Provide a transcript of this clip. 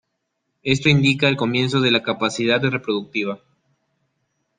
Esto indica el comienzo de la capacidad reproductiva.